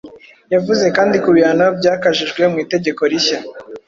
Yavuze kandi ku bihano byakajijwe mu itegeko rishya